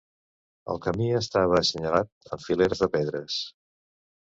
El camí estava assenyalat amb fileres de pedres.